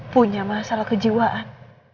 punya masalah kejiwaan